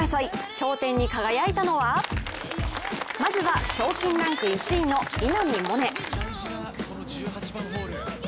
頂点に輝いたのはまずは賞金ランキング１位の稲見萌寧。